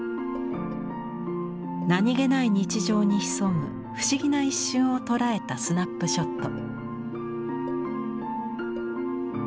何気ない日常に潜む不思議な一瞬を捉えたスナップショット。